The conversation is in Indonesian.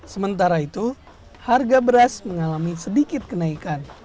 sementara itu harga beras mengalami sedikit kenaikan